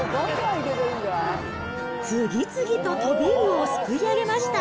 次々とトビウオをすくい上げました。